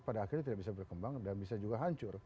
pada akhirnya tidak bisa berkembang dan bisa juga hancur